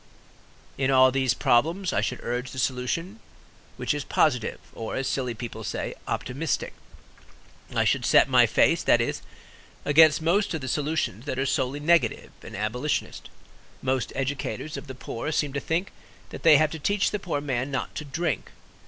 In all these problems I should urge the solution which is positive, or, as silly people say, "optimistic." I should set my face, that is, against most of the solutions that are solely negative and abolitionist. Most educators of the poor seem to think that they have to teach the poor man not to drink.